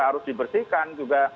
harus dibersihkan juga